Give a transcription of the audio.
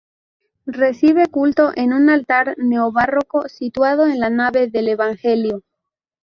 Recibe culto en un altar neobarroco situado en la nave del evangelio.